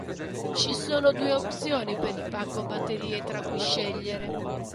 Ci sono due opzioni per il pacco batterie tra cui scegliere.